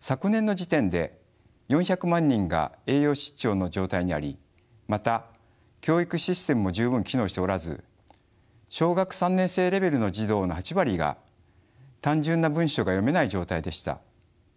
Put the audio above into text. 昨年の時点で４００万人が栄養失調の状態にありまた教育システムも十分機能しておらず小学３年生レベルの児童の８割が単純な文章が読めない状態でした。